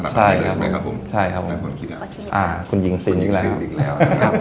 สนับขาวไลเลิศใช่ไหมครับผมอ่าคุณยิงสินอีกแล้ว